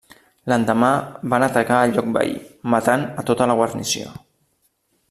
L'endemà van atacar el lloc veí, matant a tota la guarnició.